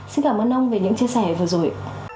xin cảm ơn ông về những chia sẻ vừa rồi